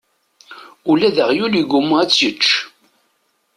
Ula d aɣyul yegguma ad tt-yečč.